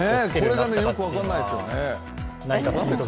これがよく分かんないですよね。